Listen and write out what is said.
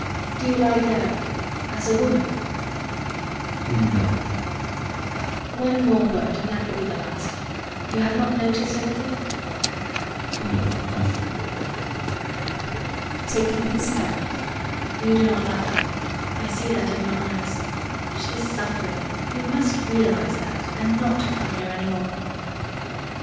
Do you like her as a woman? ASTROFF. [Slowly] No. HELENA. One more word, and that will be the last. You have not noticed anything? ASTROFF. No, nothing. HELENA. [Taking his hand] You do not love her. I see that in your eyes. She is suffering. You must realise that, and not come here any more. ASTROFF.